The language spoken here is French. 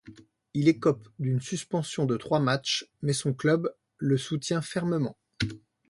Il écope d'une suspension de trois matchs mais son club le soutient fermement.